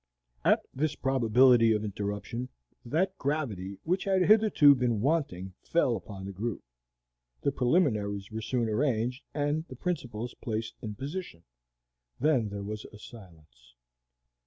At this probability of interruption, that gravity which had hitherto been wanting fell upon the group. The preliminaries were soon arranged and the principals placed in position. Then there was a silence.